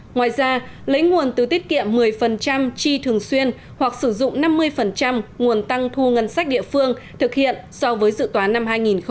ngoài ra lấy nguồn từ tiết kiệm một mươi chi thường xuyên hoặc sử dụng năm mươi nguồn tăng thu ngân sách địa phương thực hiện so với dự toán năm hai nghìn một mươi chín